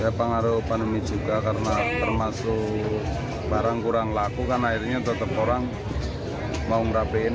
ya pengaruh pandemi juga karena termasuk barang kurang laku kan akhirnya tetap orang mau merapikan